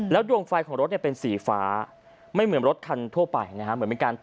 แล้วดวงไฟของรถเนี่ยเป็นสีฟ้าไม่เหมือนรถคันทั่วไปนะครับ